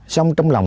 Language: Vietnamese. xong trong lòng